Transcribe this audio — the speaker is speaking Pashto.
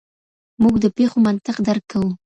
موږ د پېښو منطق درک کوو.